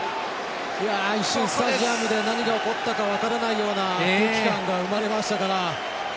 一瞬、何が起こったか分からないような空気感が生まれましたから。